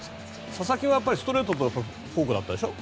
佐々木はストレートとフォークだったでしょ。